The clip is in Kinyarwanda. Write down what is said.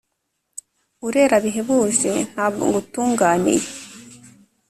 Urera bihebuje, Nta bwo ngutunganiye;